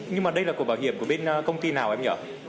nhưng mà đây là của bảo hiểm của bên công ty nào em nhỏ